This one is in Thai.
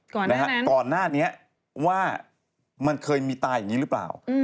ก่อนนะฮะก่อนหน้านี้ว่ามันเคยมีตายอย่างนี้หรือเปล่า